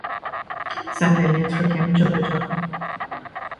صندلیات را کمی جابجا کن